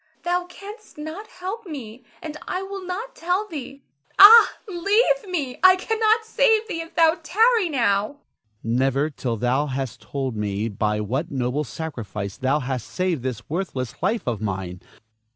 Thou canst not help me, and I will not tell thee. Ah, leave me! I cannot save thee if thou tarry now. Ernest. Never, till thou hast told me by what noble sacrifice thou hast saved this worthless life of mine.